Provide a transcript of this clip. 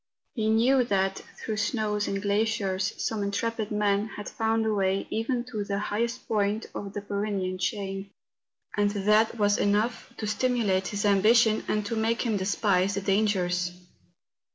He knew that through snows and glaciers some intrepid men had found a way even to the highest point of the Py¬ renean chain; and that was enough to stimulate his ambition and to make him despise the dangers.